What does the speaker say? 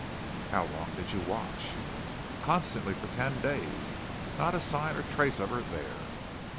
"How long did you watch?" "Constantly for ten days. Not a sign or a trace of her there."